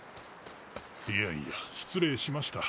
いやいや失礼しました。